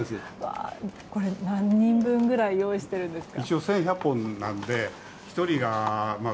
これ、何人分くらい用意していますか。